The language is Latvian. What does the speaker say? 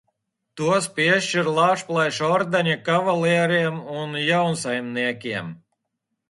Tos piešķir Lāčplēša ordeņa kavalieriem un jaunsaimniekiem.